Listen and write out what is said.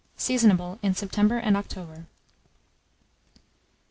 Seasonable in September and October.